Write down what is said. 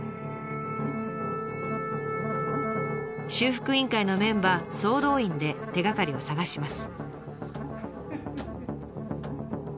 修復委員会のメンバー総動員で手がかりを探します。